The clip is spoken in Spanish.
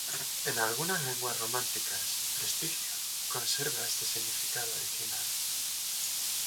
En algunas lenguas románicas "prestigio" conserva este significado original.